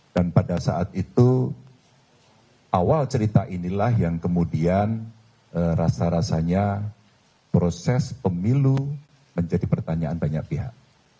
dan pada saat itu awal cerita inilah yang kemudian rasa rasanya proses pemilu menjadi pertanyaan banyak pihak